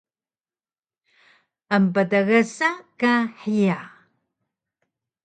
Emptgsa ka hiya